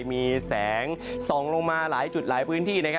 มีแสงส่องลงมาหลายจุดหลายพื้นที่